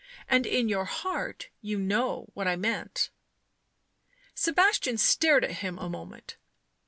And in your heart you know what I meant." Sebastian stared at him a moment.